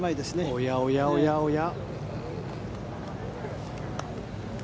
おやおやおやおや。